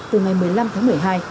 từ ngày một mươi năm tháng một mươi hai